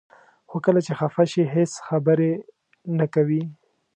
خو کله چې خفه شي هیڅ خبرې نه کوي.